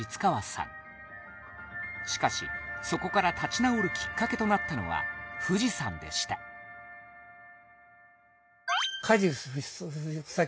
しかしそこから立ち直るきっかけとなったのは富士山でした梶房吉さんっていうね